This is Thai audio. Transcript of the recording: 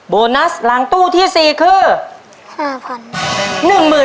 โบนัสหลังตู้ที่๔คือ